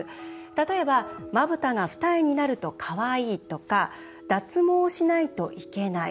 例えば「まぶたが二重になるとかわいい」とか「脱毛しないといけない」。